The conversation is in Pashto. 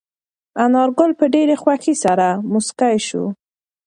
انارګل په ډېرې خوښۍ سره موسکی شو.